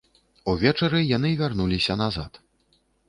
Увечары яны вярнуліся назад.